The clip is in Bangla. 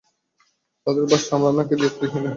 তাদের ভাষ্য, আমরা না কি দ্বায়িত্বজ্ঞানহীন বাবা-মা!